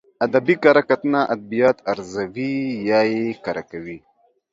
ادبي کره کتنه ادبيات ارزوي يا يې کره کوي.